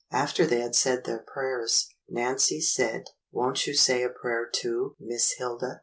After they had said their prayers, Nancy said, "Won't you say a prayer too. Miss Hilda?"